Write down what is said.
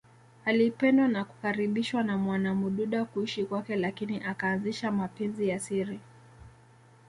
Alipendwa na kukaribishwa na Mwamududa kuishi kwake lakini akaanzisha mapenzi ya siri